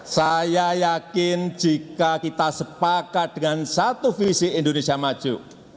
saya yakin jika kita sepakat dengan satu visi indonesia maju